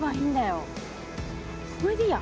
これでいいや。